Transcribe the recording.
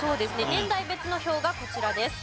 年代別の表がこちらです。